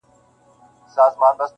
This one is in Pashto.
• د خیالي حوري په خیال کي زنګېدلای -